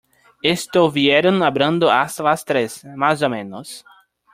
Estuvieron hablando hasta las tres, más o menos.